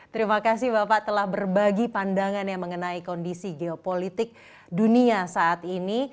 terima kasih bapak telah berbagi pandangannya mengenai kondisi geopolitik dunia saat ini